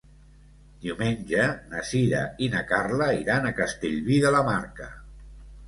Diumenge na Sira i na Carla iran a Castellví de la Marca.